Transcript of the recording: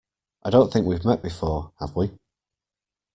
I don't think we've met before, have we?